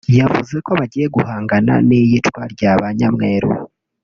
yavuze ko bagiye guhangana n’iyicwa rya ba nyamweru